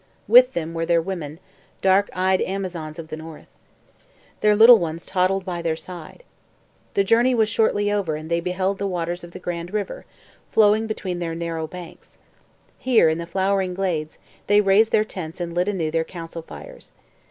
With them were their women, dark eyed Amazons of the north. Their little ones toddled by their side. The journey was shortly over and they beheld the waters of the Grand river, flowing between their narrow banks. Here, in the flowering glades, they raised their tents and lit anew their council fires.